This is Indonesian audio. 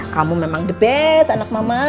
kamu memang the best anak mama